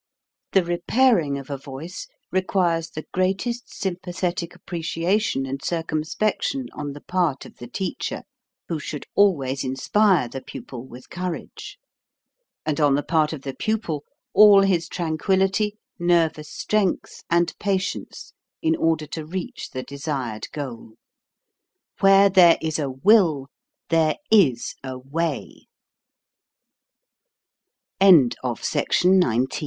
The repairing of a voice requires the great est sympathetic appreciation and circumspec tion on the part of the teacher, who should always inspire the pupil with courage; and on the part of the pupil, all his tranquillity, nervous strength, and patience, in order to reach the desired goal. Where there